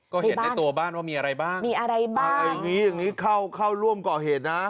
ก็เห็นในตัวบ้านว่ามีอะไรบ้างอะไรอย่างนี้เข้าร่วมก่อเหตุนะ